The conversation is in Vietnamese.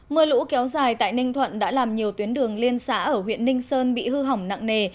mưa lũ kéo dài tại ninh thuận đã làm nhiều tuyến đường liên xã ở huyện ninh sơn bị hư hỏng nặng nề